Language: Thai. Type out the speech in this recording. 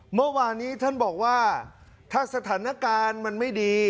เมื่อวานนี้ท่านบอกว่าถ้าสถานการณ์มันไม่ดี